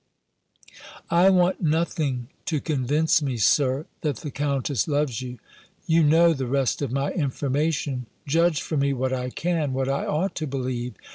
"I want nothing to convince me, Sir, that the Countess loves you: you know the rest of my information: judge for me, what I can, what I ought to believe!